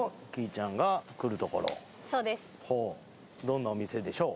ほうどんなお店でしょう？